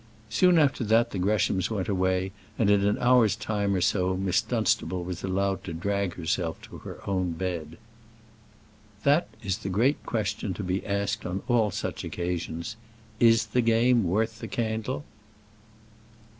Soon after that the Greshams went away, and in an hour's time or so, Miss Dunstable was allowed to drag herself to her own bed. That is the great question to be asked on all such occasions, "Is the game worth the candle?"